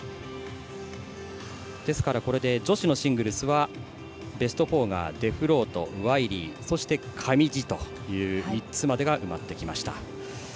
ですからこれで女子のシングルスはベスト４がデフロート、ワイリーそして上地という３つまでが埋まってきました。